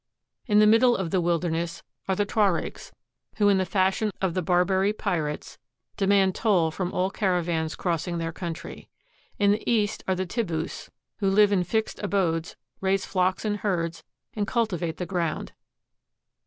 In the middle of the wilderness are the Tuaricks, who, in the fashion of the Barbary pirates, demand toll from all caravans cross ing their country. In the east are the Tibbus, who live in fixed abodes, raise flocks and herds, and cultivate the ground.